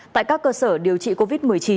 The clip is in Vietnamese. tại các cơ sở điều trị covid một mươi chín